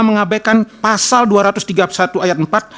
mengabaikan pasal dua ratus tiga puluh satu ayat empat